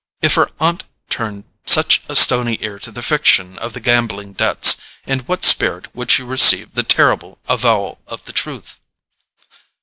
If her aunt turned such a stony ear to the fiction of the gambling debts, in what spirit would she receive the terrible avowal of the truth?